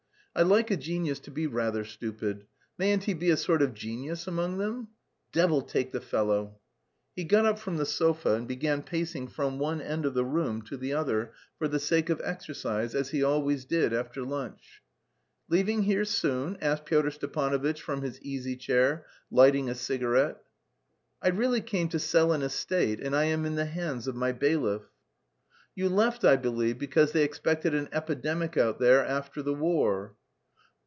I like a genius to be rather stupid. Mayn't he be a sort of genius among them? Devil take the fellow!" He got up from the sofa and began pacing from one end of the room to the other for the sake of exercise, as he always did after lunch. "Leaving here soon?" asked Pyotr Stepanovitch from his easy chair, lighting a cigarette. "I really came to sell an estate and I am in the hands of my bailiff." "You left, I believe, because they expected an epidemic out there after the war?"